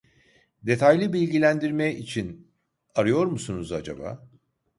Detaylı bilgilendirme için arıyor musunuz acaba